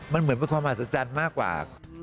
มันเหมือนเป็นความหัศจรรย์มากกว่า